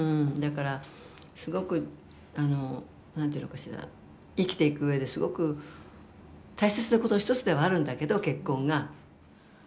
だからすごくあの何ていうのかしら生きていくうえですごく大切なことの一つではあるんだけど結婚が。